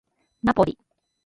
ナポリ